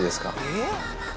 えっ？